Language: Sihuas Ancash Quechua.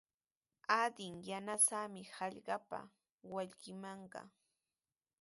Adin yanasaami hallqapa wallkimanqa.